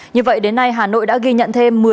như vậy đến nay hà nội đã ghi nhận thêm